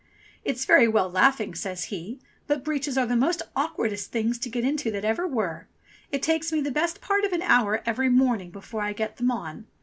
"It's very well laughing," says he, "but breeches are the most awk wardest things to get into that ever were. It takes me the best part of an hour every morning before I get them on.